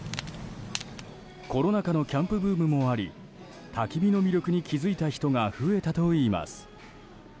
コロナ禍のキャンプブームもありたき火の魅力に気づいた人が増えたといいます。